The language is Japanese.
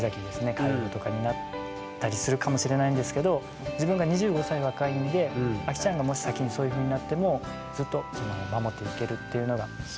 介護とかになったりするかもしれないんですけど自分が２５歳若いんでアキちゃんがもし先にそういうふうになってもずっと守っていけるっていうのが。